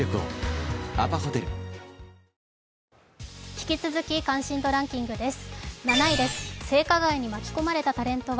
引き続き関心度ランキングです。